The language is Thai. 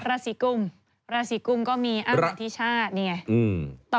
ลาสิกุ้มก็มีวัฒนิชชา